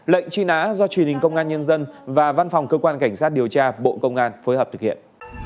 lệnh truy nã do truyền hình công an nhân dân và văn phòng cơ quan cảnh sát điều tra bộ công an phối hợp thực hiện